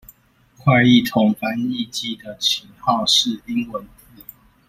快譯通翻譯機的型號是英文字